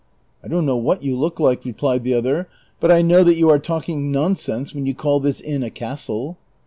" I don't know what you look like," replied the other ;'' but I know that you are talking nonsense when you call this inn a castle."